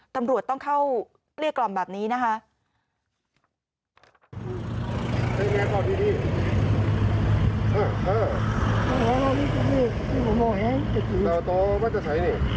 ตำรวจต้องเข้าเกลี้ยกล่อมแบบนี้นะคะ